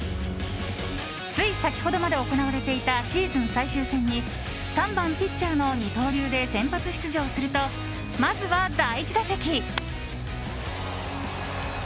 つい先ほどまで行われていたシーズン最終戦に３番ピッチャーの二刀流で先発出場するとまずは第１打席。